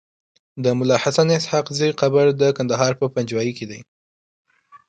د ملاحسناسحاقزی قبر دکندهار په پنجوايي کیدی